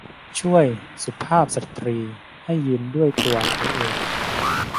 ช่วยสุภาพสตรีให้ยืนด้วยตัวเธอเอง